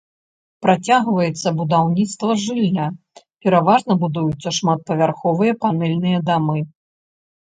Працягваецца будаўніцтва жылля, пераважна будуюцца шматпавярховыя панэльныя дамы.